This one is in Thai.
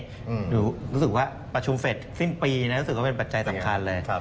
ดูรู้สึกว่าประชุมที่สิ้นปีเนี่ยรู้สึกว่าเป็นปัจจัยสำคัญเลย